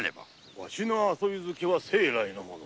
わしの遊び好きは生来のもの